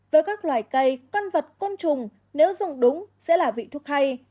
với các loài cây con vật côn trùng nếu dùng đúng sẽ là vị thuốc hay